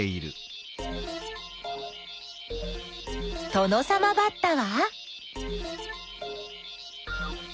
トノサマバッタは？